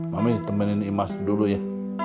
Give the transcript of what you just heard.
mami temenin imas dulu ya